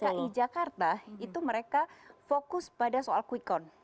dki jakarta itu mereka fokus pada soal quick count